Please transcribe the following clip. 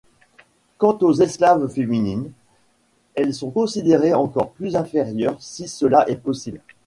Quant aux esclaves féminines, elles sont considérées encore plus inférieures si cela est possible.